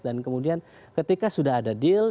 dan kemudian ketika sudah ada deal